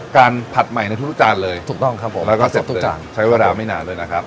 ผัดใหม่ในทุกจานเลยถูกต้องครับผมแล้วก็เสร็จทุกอย่างใช้เวลาไม่นานเลยนะครับ